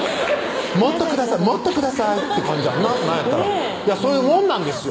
「もっとください」って感じやんななんやったらそういうもんなんですよ